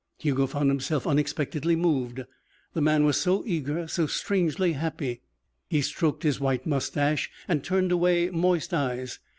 Hugo found himself unexpectedly moved. The man was so eager, so strangely happy. He stroked his white moustache and turned away moist eyes.